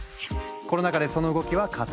コロナ禍でその動きは加速。